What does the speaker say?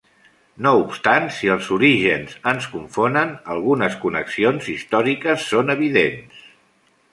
No obstant, si els orígens ens confonen, algunes connexions històriques són evidents.